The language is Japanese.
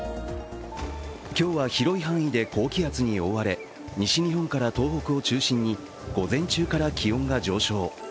今日は広い範囲で高気圧に覆われ、西日本から東北を中心に、午前中から気温が上昇。